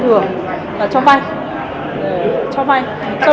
thì luật thối trợ doanh nghiệp nhỏ